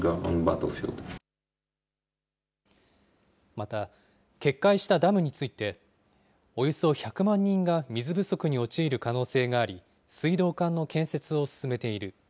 また、決壊したダムについて、およそ１００万人が水不足に陥る可能性があり、水道管の建設を進めている。